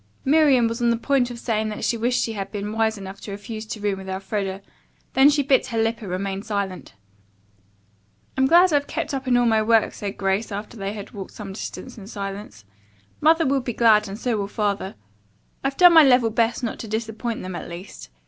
Miriam was on the point of saying that she wished she had been wise enough to refuse to room with Elfreda. Then she bit her lip and remained silent. "I'm glad I've kept up in all my work," Grace said after they had walked some distance in silence. "Mother will be glad and so will Father. I've done my level best not to disappoint them, at least."